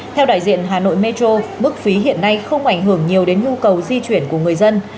theo đại diện hà nội metro mức phí hiện nay không ảnh hưởng nhiều đến nhu cầu di chuyển của người dân